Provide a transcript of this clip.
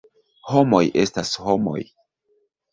Homoj estas homoj.